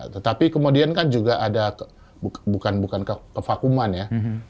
tetapi kemudian kan juga ada bukan bukan kevakuman ya